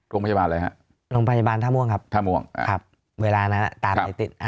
โรงพยาบาลอะไรครับโรงพยาบาลท่าม่วงครับเวลานั้นตามไปติด